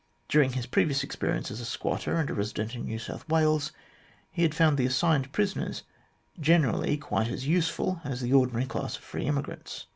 During his previous experience as a squatter and resident in New South Wales, he had found the assigned prisoners generally quite as useful as the ordinary class of free immigrants.